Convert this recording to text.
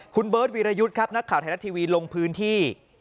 คุณเบิร์ตวีรยุทธ์ครับนักข่าวไทยรัฐทีวีลงพื้นที่